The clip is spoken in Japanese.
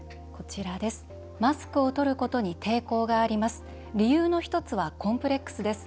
マスクをとることに抵抗があります。